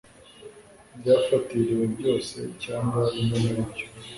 byafatiriwe byose cyangwa bimwe muri byo